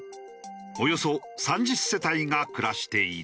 およそ３０世帯が暮らしている。